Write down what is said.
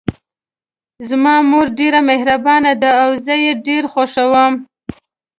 زما مور ډیره مهربانه ده او زه یې ډېر خوښوم